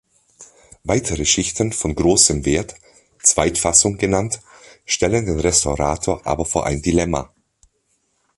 Weitere Schichten von großem Wert, "Zweitfassung" genannt, stellen den Restaurator aber vor ein Dilemma.